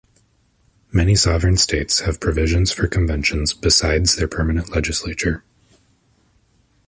Many sovereign states have provisions for conventions besides their permanent legislature.